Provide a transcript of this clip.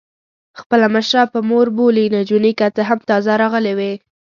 خپله مشره په مور بولي، نجونې که څه هم تازه راغلي وې.